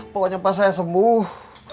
pokoknya pas saya sembuh